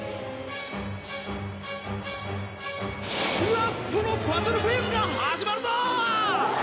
ラストのパズルフェーズが始まるぞ！